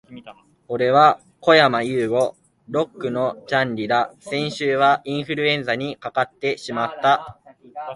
俺はこやまゆうご。Lock のジャンリだ。先週はインフルエンザにかかってしまった、、、